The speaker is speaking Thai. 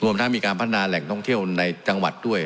ทั้งมีการพัฒนาแหล่งท่องเที่ยวในจังหวัดด้วย